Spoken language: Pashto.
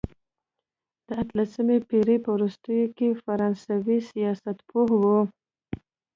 د اتلسمې پېړۍ په وروستیو کې فرانسوي سیاستپوه وو.